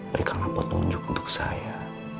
berikanlah petunjuk untuk saya